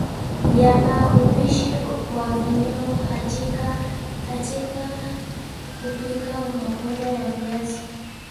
Viambaupishi wavianvyohitajika kupika mapondo ya viazi